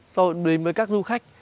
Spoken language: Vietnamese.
so với các du khách